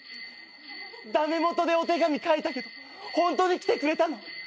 駄目元でお手紙書いたけどホントに来てくれたの？